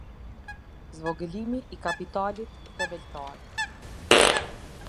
Zvogëlimi i Kapitalit Themeltar.